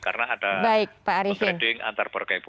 karena ada trading antar berkaibu